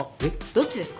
どっちですか？